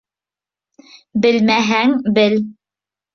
— Белмәһәң, бел.